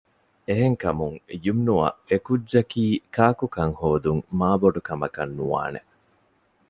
އެހެންކަމުން ޔުމްނުއަށް އެކުއްޖަކީ ކާކުކަން ހޯދުން މާ ބޮޑުކަމަކަށް ނުވާނެ